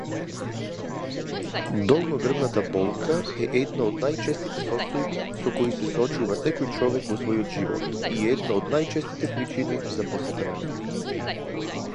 Bailey wrote mainly short stories featuring a medically qualified detective called Reggie Fortune.